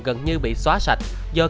gần như bị xóa sạch